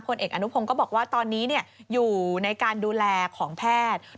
เอกอนุพงศ์ก็บอกว่าตอนนี้อยู่ในการดูแลของแพทย์